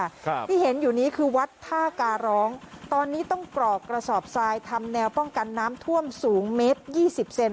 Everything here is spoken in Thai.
ครับที่เห็นอยู่นี้คือวัดท่าการร้องตอนนี้ต้องกรอกกระสอบทรายทำแนวป้องกันน้ำท่วมสูงเมตรยี่สิบเซน